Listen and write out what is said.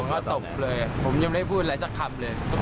ก็ตบเลยผมยังไม่ได้พูดอะไรสักคำเลย